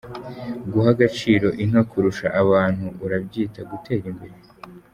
Guha agaciro inka kurusha abantu urabyita gutera imbere.